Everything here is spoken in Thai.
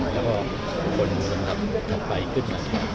แล้วก็คนมุลธรรมถัดไปขึ้นมาเอง